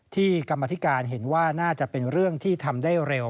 กรรมธิการเห็นว่าน่าจะเป็นเรื่องที่ทำได้เร็ว